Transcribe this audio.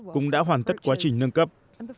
cũng đã hoàn tất quá trình nâng cấp